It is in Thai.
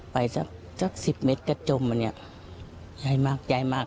ไปสักสิบเมตรก็จมอ่ะเนี่ยยายมากยายมาก